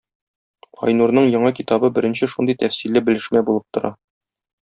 Айнурның яңа китабы беренче шундый тәфсилле белешмә булып тора.